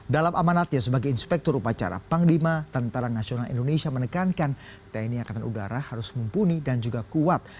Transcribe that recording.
dalam amanatnya sebagai inspektor upacara panglima tni menekankan tni angkatan udara harus mumpuni dan juga kuat